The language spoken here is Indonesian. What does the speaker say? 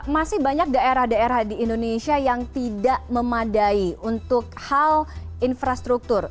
masih banyak daerah daerah di indonesia yang tidak memadai untuk hal infrastruktur